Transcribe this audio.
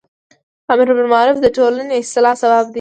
امر بالمعروف د ټولنی اصلاح سبب دی.